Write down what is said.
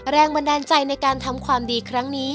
แรงดำเนินในการทำความดีครั้งนี้